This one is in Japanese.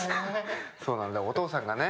そうなんだお父さんがね